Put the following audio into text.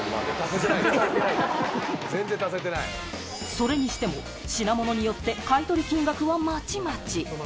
それにしても、品物によって買い取り金額はまちまち。